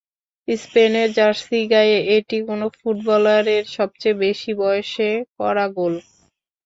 স্পেনের জার্সি গায়ে এটি কোনো ফুটবলারের সবচেয়ে বেশি বয়সে করা গোল।